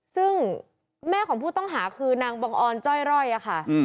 ซึ่งแม่ของผู้ต้องหาคือนางบังออนจ้อยร่อยค่ะ